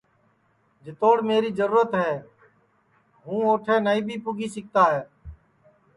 جِتوڑ میری جرورت ہوتی ہے ہوں اوٹھے نائی بھی پُگی سِکتا ہے